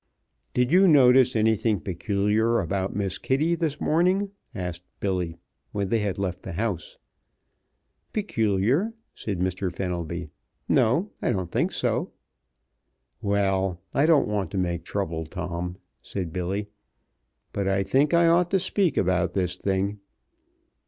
"Did you notice anything peculiar about Miss Kitty this morning?" asked Billy, when they had left the house. "Peculiar?" said Mr. Fenelby. "No, I don't think so." "Well, I don't want to make trouble, Tom," said Billy, "but I think I ought to speak about this thing.